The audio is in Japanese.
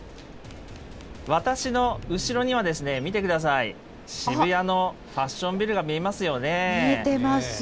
私の後ろには、見てください、渋谷のファッションビルが見えます見えてます。